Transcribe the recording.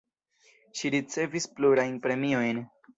Ŝi ricevis plurajn premiojn.